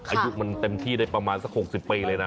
อายุมันเต็มที่ได้ประมาณสัก๖๐ปีเลยนะ